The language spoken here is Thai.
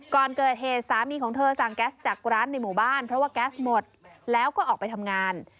ก่อนเกิดเหตุสามีของเธอสั่งแก๊สจากร้านในหมู่บ้านเพราะว่าแก๊สหมดแล้วก็ออกไปทำงาน